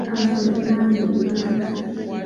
Amasomero mangi mu Uganda.